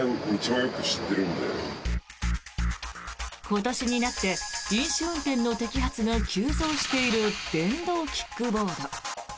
今年になって飲酒運転の摘発が急増している電動キックボード。